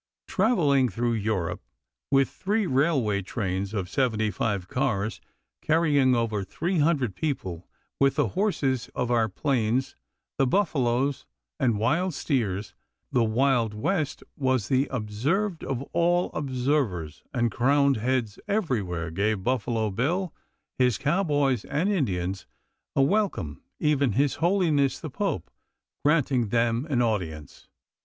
Traveling through Europe with three railway trains of seventy five cars, carrying over three hundred people, with the horses of our plains, the buffaloes, and wild steers, the Wild West was the observed of all observers, and crowned heads everywhere gave Buffalo Bill, his cowboys, and Indians a welcome, even his holiness the pope granting them an audience.